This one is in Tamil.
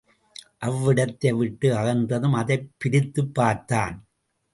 அவ்விடத்தை விட்டு அகன்றதும் அதைப் பிரித்துப் பார்த்தான்.